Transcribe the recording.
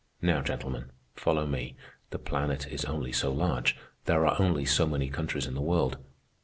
Now, gentlemen, follow me. The planet is only so large. There are only so many countries in the world.